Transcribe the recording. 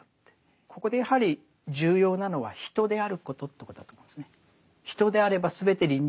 ここでやはり重要なのは人であることということだと思うんですね。